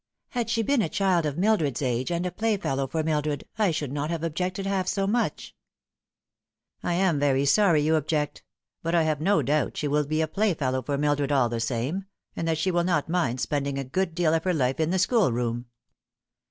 Had she been a child of Mildred's age, and a play fellow for Mildred, I should not have objected half so much." " I'm very sorry you object ; but I have no doubt she will be a playfellow for Mildred all the same, and that she will not mind spending a good deal of her life in the schoolroom."